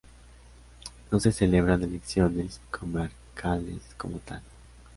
No se celebran elecciones comarcales como tal.